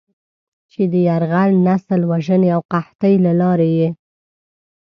چې د "يرغل، نسل وژنې او قحطۍ" له لارې یې